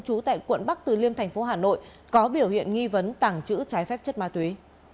trú tại quận bắc từ liêm thành phố hà nội có biểu hiện nghi vấn tàng trữ trái phép chất ma túy